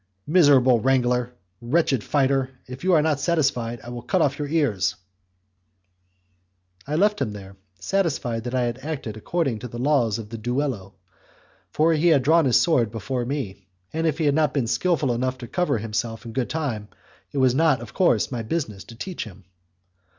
"Miserable wrangler, wretched fighter, if you are not satisfied, I will cut off your ears!" I left him there, satisfied that I had acted according to the laws of the duello, for he had drawn his sword before me, and if he had not been skilful enough to cover himself in good time, it was not, of course, my business to teach him.